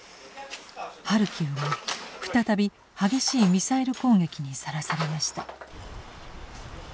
ハルキウも再び激しいミサイル攻撃にさらされました。